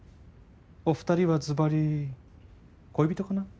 お二人はずばり恋人かな？